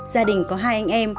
gia đình có hai anh em